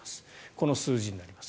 この数字になります。